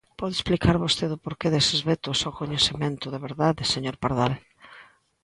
¿Pode explicar vostede o porqué deses vetos ao coñecemento da verdade, señor Pardal?